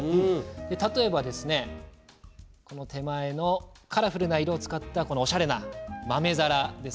例えば、手前のカラフルな色を使ったおしゃれな豆皿。